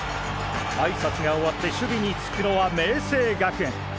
あいさつが終わって守備につくのは明青学園！